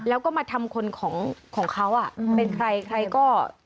แล้วก็มาทำคนของเขาอ่ะเป็นใครใครก็